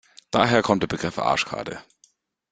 Daher kommt der Begriff Arschkarte.